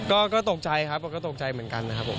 ก็ตกใจครับก็ตกใจเหมือนกันนะครับผม